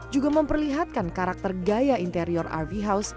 juga memperlihatkan karakter gaya interior rv house